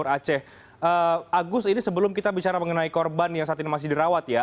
agus ini sebelum kita bicara mengenai korban yang saat ini masih dirawat ya